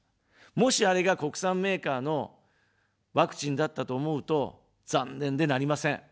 もし、あれが国産メーカーのワクチンだったと思うと残念でなりません。